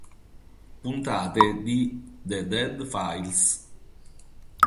Puntate di The Dead Files